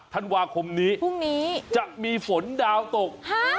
๑๔๑๕ธันวาคมนี้จะมีฝนดาวตก